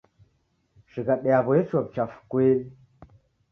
Shighadi yaw'o yechua w'uchafu kweli.